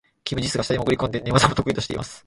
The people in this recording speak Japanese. キム・ジスが下に潜り込んで、寝技も得意としています。